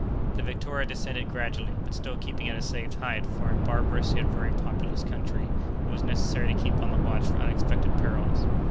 The Victoria descended gradually, but still keeping at a safe height, for, in a barbarous, yet very populous country, it was necessary to keep on the watch for unexpected perils.